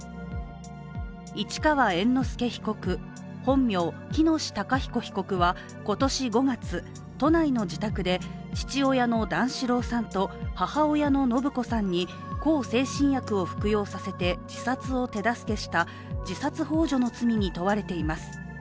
市川猿之助被告、本名・喜熨斗孝彦被告は今年５月都内の自宅で父親の段四郎さんと母親の延子さんに向精神薬を服用させて、自殺を手助けした自殺ほう助の罪に問われています。